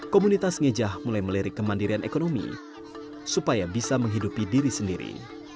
komunitas ngejah mulai melirik kemandirian ekonomi supaya bisa menghidupi diri sendiri